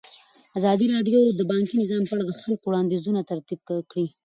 ازادي راډیو د بانکي نظام په اړه د خلکو وړاندیزونه ترتیب کړي.